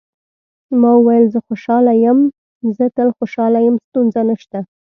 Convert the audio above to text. ما وویل: زه خوشاله یم، زه تل خوشاله یم، ستونزه نشته.